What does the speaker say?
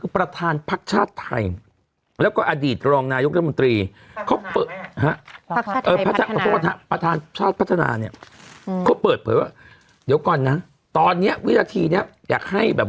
ประธานชาติพัฒนาเนี่ยเขาเปิดเผยว่าเดี๋ยวก่อนนะตอนเนี้ยวิทยาธิเนี่ยอยากให้แบบ